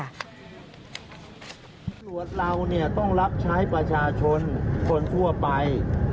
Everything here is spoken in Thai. ตำรวจเราเนี่ยต้องรับใช้ประชาชนคนทั่วไป